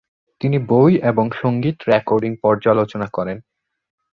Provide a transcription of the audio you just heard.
তিনি বই এবং সঙ্গীত রেকর্ডিং পর্যালোচনা করেন।